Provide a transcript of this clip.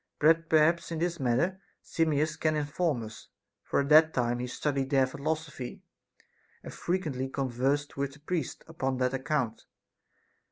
But perhaps in this matter Simmias can inform us, for at that time he studied their philosophy and frequently conversed with the priests upon that account.